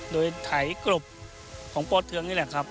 โดยถ่ายกลบของป่าเทืองนี่แหละครับ